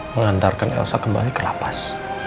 mengantarkan elsa kembali ke lapas